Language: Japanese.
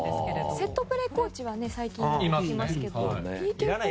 セットプレーコーチは最近、よく聞きますけど。